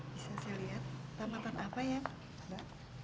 bisa saya lihat tamatan apa yang ada